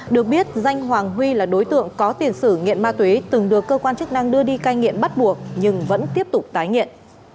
được biết danh hoàng huy là đối tượng có tiền sử nghiện ma túy từng được cơ quan chức năng đưa đi cai nghiện bắt buộc nhưng vẫn tiếp tục tái nghiện